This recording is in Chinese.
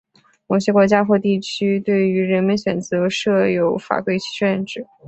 某些国家或地区对于人名选择设有法规限制。